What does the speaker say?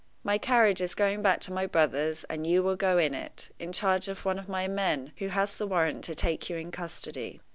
My carriage is going back to my brother's, and you will go in it, in charge of one of my men, who has the warrant to take you in custody.